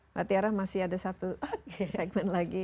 mbak tiara masih ada satu segmen lagi